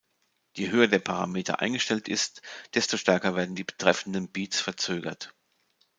Je höher der Parameter eingestellt ist, desto stärker werden die betreffenden Beats verzögert.